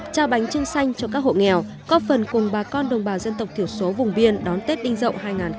trao bánh trưng xanh cho các hộ nghèo có phần cùng bà con đồng bào dân tộc thiểu số vùng biên đón tết đinh dậu hai nghìn hai mươi bốn